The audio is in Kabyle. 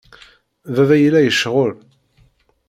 Baba yella yecɣel.